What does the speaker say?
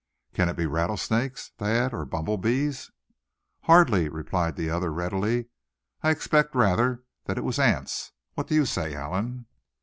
"Can it be rattlesnakes, Thad, or bumble bees?" "Hardly," replied the other, readily; "I'd expect rather that it was ants. What do you say, Allan?"